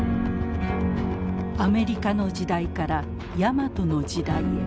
アメリカの時代からヤマトの時代へ。